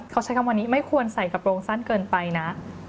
เขาใช้คำวันนี้ไม่ควรใส่กระโปรงสั้นเกินไปนะ